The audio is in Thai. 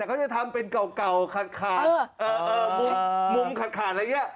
เขาจะทำเป็นเก่าขาดมุมขาดอะไรอย่างนี้